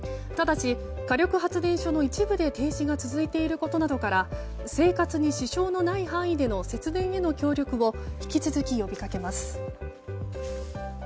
ただし、火力発電所の一部で停止が続いていることなどから生活に支障のない範囲での節電への協力を